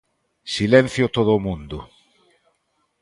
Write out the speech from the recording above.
Silencio todo o mundo.